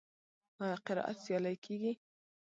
آیا قرائت سیالۍ کیږي؟